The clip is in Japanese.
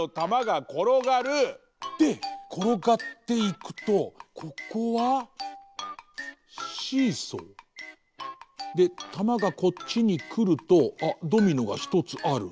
でころがっていくとここはシーソー？でたまがこっちにくるとあっドミノがひとつある。